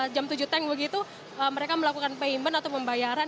jam tujuh teng begitu mereka melakukan payment atau membayaran